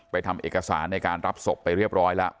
ทำเอกสารในการรับศพไปเรียบร้อยแล้ว